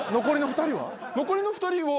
残りの２人は？